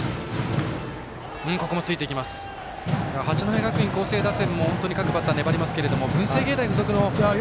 八戸学院光星打線も本当に各バッター粘りますけれども文星芸大付属のバッターも。